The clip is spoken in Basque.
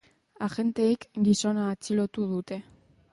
Agenteek gizona atxilotu dute.